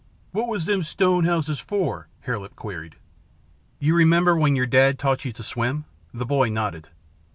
"What was them stone houses for?" Hare Lip queried. "You remember when your dad taught you to swim?" The boy nodded.